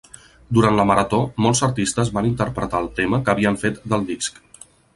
Durant la Marató molts artistes van interpretar el tema que havien fet del disc.